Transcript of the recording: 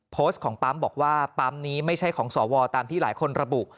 โพสต์ของปั๊มบอกว่าปั๊มนี้ไม่ใช่ของสวตามที่หลายคนระบุ